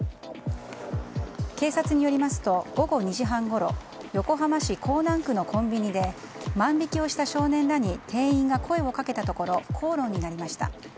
警察によりますと午後２時半ごろ横浜市港南区のコンビニで万引きをした少年らに店員が声をかけたところ口論になりました。